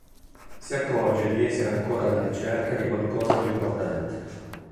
Si accorge di essere ancora alla ricerca di qualcosa di importante.